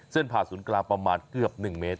ผ่าศูนย์กลางประมาณเกือบ๑เมตร